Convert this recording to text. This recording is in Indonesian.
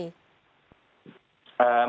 menurut saya tidak